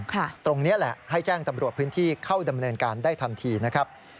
ตรงนี้แหละให้แจ้งตำรวจพื้นที่เข้าดำเนินการได้ทันทีนะครับ